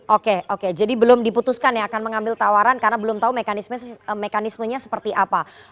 oke oke jadi belum diputuskan ya akan mengambil tawaran karena belum tahu mekanismenya seperti apa